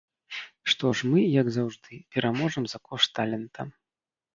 Што ж, мы, як заўжды, пераможам за кошт талента.